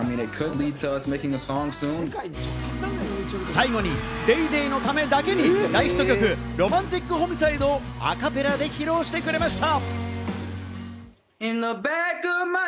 最後に『ＤａｙＤａｙ．』のためだけに大ヒット曲『ＲｏｍａｎｔｉｃＨｏｍｉｃｉｄｅ』をアカペラで披露してくれました。